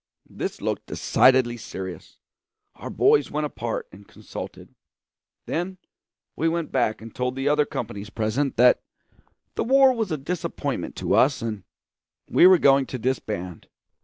This looked decidedly serious. Our boys went apart and consulted; then we went back and told the other companies present that the war was a disappointment to us and we were going to disband.